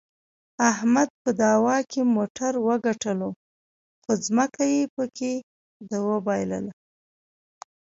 احمد په دعوا کې موټر وګټلو، خو ځمکه یې پکې د وباییلله.